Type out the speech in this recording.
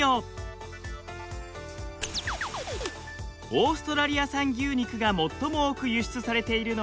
オーストラリア産牛肉が最も多く輸出されているのは日本。